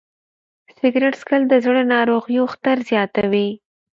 سګریټ څکول د زړه د ناروغیو خطر زیاتوي.